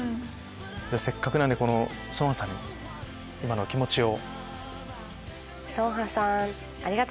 せっかくなんで成河さんに今のお気持ちを。